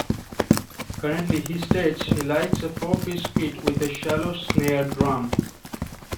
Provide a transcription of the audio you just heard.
Currently he states he likes a four-piece kit with a shallow snare drum.